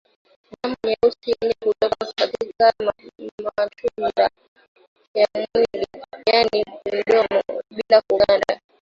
Damu yenye rangi nyeusi kutoka kwenye matundu ya mwili yaani mdomo bila kuganda